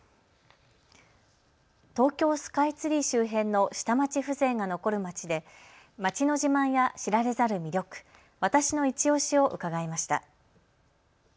東京スカイツリー周辺の下町風情が残る街で街の自慢や知られざる魅力、わたしのいちオシを伺いました。